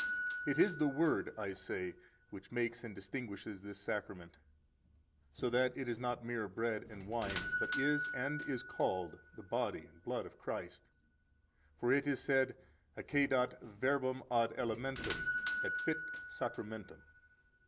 10 It is the Word (I say) which makes and distinguishes this Sacrament, so that it is not mere bread and wine, but is, and is called, the body and blood of Christ. For it is said: Accedat verbum ad elementum, et fit sacramentum.